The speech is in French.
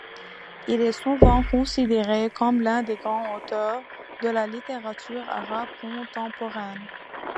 Il est souvent considéré comme l'un des grands auteurs de la littérature arabe contemporaine.